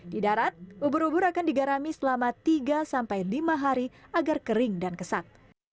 di darat ubur ubur akan digarami selama tiga sampai lima hari agar kering dan kesat